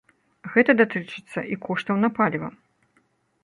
Гэта датычыцца і коштаў на паліва.